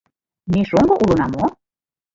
Ме шоҥго улына мо?